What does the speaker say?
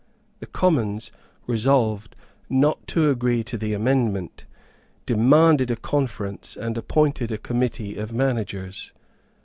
The Commons resolved not to agree to the amendment, demanded a conference, and appointed a committee of managers.